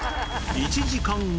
１時間後。